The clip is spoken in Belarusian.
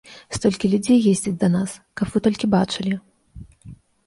Столькі людзей ездзяць да нас, каб вы толькі бачылі.